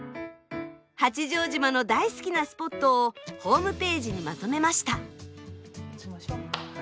八丈島の大好きなスポットをホームページにまとめました。